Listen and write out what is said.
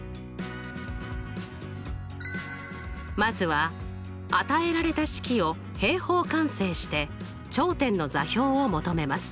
まずは与えられた式を平方完成して頂点の座標を求めます。